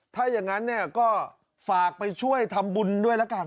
ถ้าอย่างนั้นเนี่ยก็ฝากไปช่วยทำบุญด้วยละกัน